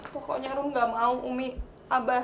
pokoknya rum gak mau umi abah